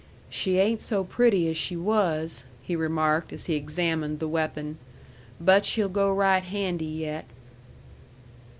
"She ain't so pretty as she was," he remarked, as he examined the weapon. "But she'll go right handy yet."